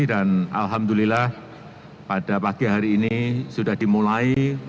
dan alhamdulillah pada pagi hari ini sudah dimulai